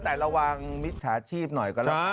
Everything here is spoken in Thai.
แต่ระวังมิตรฐาชีพหน่อยก็ล่ะ